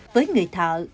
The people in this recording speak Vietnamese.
với người thợ